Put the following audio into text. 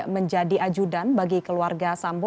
menjadi ajudan bagi keluarga sambo